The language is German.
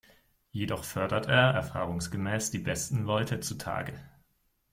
Jedoch fördert er erfahrungsgemäß die besten Leute zutage.